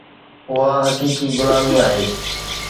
اها حقيقي غلامي آهي.